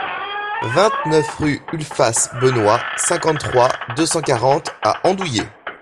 vingt-neuf rue Ulphace Benoit, cinquante-trois, deux cent quarante à Andouillé